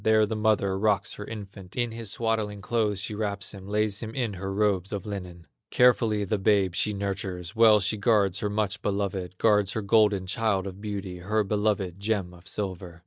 There the mother rocks her infant, In his swaddling clothes she wraps him, Lays him in her robes of linen; Carefully the babe she nurtures, Well she guards her much beloved, Guards her golden child of beauty, Her beloved gem of silver.